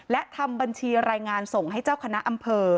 และทำบัญชีรายงานส่งให้เจ้าคณะอำเภอ